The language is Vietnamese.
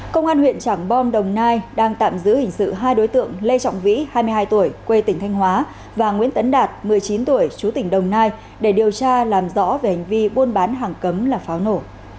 công an huyện trảng bom đồng nai đang tạm giữ hình sự hai đối tượng lê trọng vĩ hai mươi hai tuổi quê tỉnh thanh hóa và nguyễn tấn đạt một mươi chín tuổi chú tỉnh đồng nai để điều tra làm rõ về hành vi buôn bán hàng cấm là pháo nổ